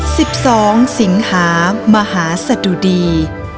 สิบสองสิงหามหาสะดุดี